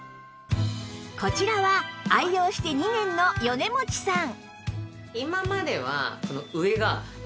こちらは愛用して２年の米持さん